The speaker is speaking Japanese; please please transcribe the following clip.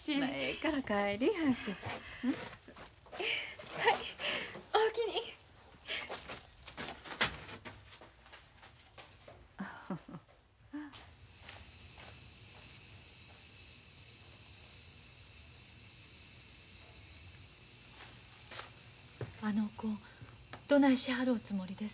・あの子どないしはるおつもりです？